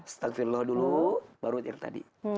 stagfillah dulu baru yang tadi